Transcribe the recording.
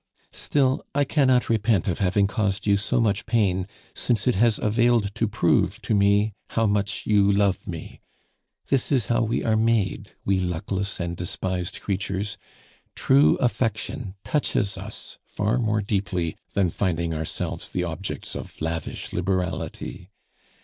Still, I cannot repent of having caused you so much pain, since it has availed to prove to me how much you love me. This is how we are made, we luckless and despised creatures; true affection touches us far more deeply than finding ourselves the objects of lavish liberality.